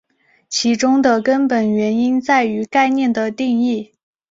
其中的根本原因在于概率的定义。